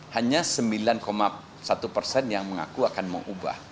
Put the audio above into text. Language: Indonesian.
hanya sembilan satu persen yang mengaku akan mengubah